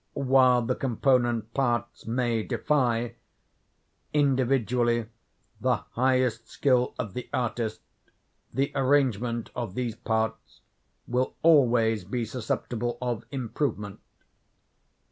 While the component parts may defy, individually, the highest skill of the artist, the arrangement of these parts will always be susceptible of improvement.